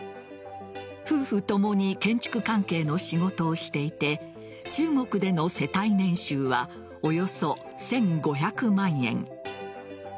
夫婦ともに建築関係の仕事をしていて中国での世帯年収はおよそ１５００万円。